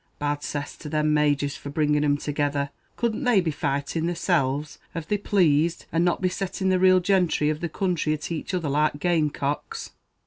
Bad cess to them Majors for bringing thim together; couldn't they be fighting theyselles av they plazed, and not be setting the real gentry of the counthry at each other like game cocks?"